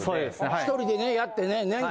１人でねやってね年間